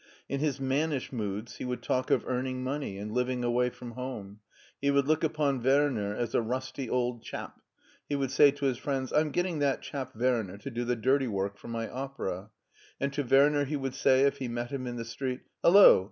In his mannish moods he would talk of earn ing money and living away from home ; he would look upon Werner as a rusty old chap; he would say to his friends, " I'm getting that chap Werner to do the dirty work for my opera "; and to Werner he would say, if he met him in the street, "Hello!